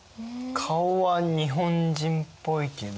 顔は日本人っぽいけど。